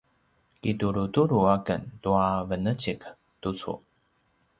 kitulutulu aken tua venecik tucu